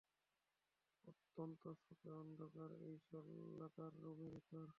অন্তত শপে অন্ধকার এই লকার রুমের ভেতর!